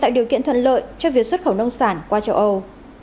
tạo điều kiện thuận lợi cho việc xuất khẩu nông sản qua châu âu